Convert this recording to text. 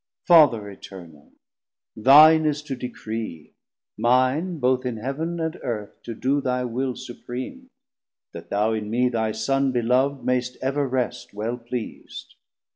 Father Eternal, thine is to decree, Mine both in Heav'n and Earth to do thy will Supream, that thou in mee thy Son belov'd 70 Mayst ever rest well pleas'd.